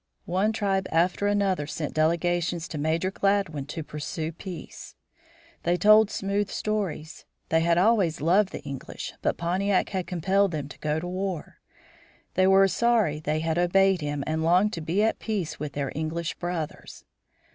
One tribe after another sent delegations to Major Gladwin to sue for peace. They told smooth stories. They had always loved the English, but Pontiac had compelled them to go to war. Now they were sorry they had obeyed him and longed to be at peace with their English brothers.